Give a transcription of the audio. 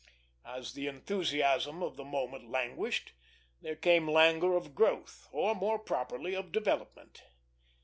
As the enthusiasm of the moment languished, there came languor of growth; or, more properly, of development.